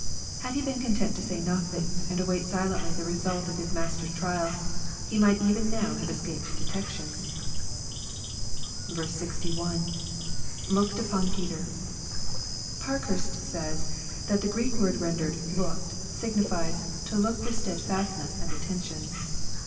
Had he been content to say nothing, and await silently the result of his Master's trial, he might even now have escaped detection. 61. — [Looked upon Peter.] Parkhurst says, that the Greek word rendered " looked," signifies " to look with stedfastness and atten tion."